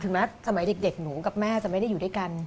แม้สมัยเด็กหนูกับแม่จะไม่ได้อยู่ด้วยกัน